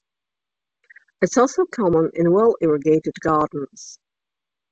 It is also common in well-irrigated gardens.